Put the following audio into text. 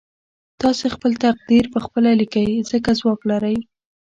تاسې خپل تقدير پخپله ليکئ ځکه واک لرئ.